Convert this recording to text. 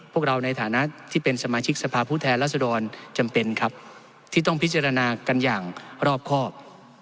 พวกเราในฐานะที่เป็นสมาชิกสภาพผู้แทนรัศดรจำเป็นครับที่ต้องพิจารณากันอย่างรอบครอบ